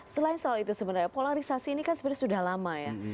selain soal itu sebenarnya polarisasi ini kan sebenarnya sudah lama ya